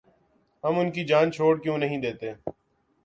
ہم ان کی جان چھوڑ کیوں نہیں دیتے؟